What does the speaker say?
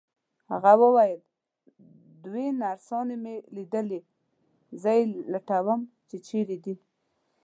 هغه وویل: دوې نرسانې مي لیدلي، زه یې لټوم چي چیري دي.